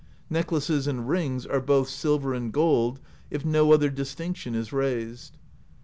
Necklaces and rings are both sil ver and gold, if no other distinction is raised.